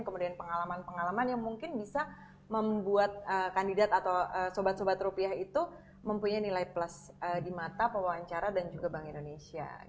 kemudian pengalaman pengalaman yang mungkin bisa membuat kandidat atau sobat sobat rupiah itu mempunyai nilai plus di mata pewawancara dan juga bank indonesia